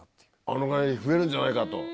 あのぐらいに増えるんじゃないかと。